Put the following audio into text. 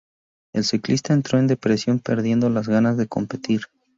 El ciclista entró en depresión, perdiendo las ganas de competir.